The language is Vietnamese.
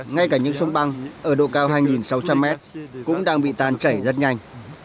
ngay cả những sông băng ở độ cao hai sáu trăm linh m cũng đang bị tan chảy rất nhanh